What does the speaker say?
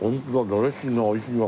ドレッシングが美味しいわ。